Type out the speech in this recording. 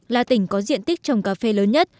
là tỉnh có diện tích trồng cà phê lớn nhất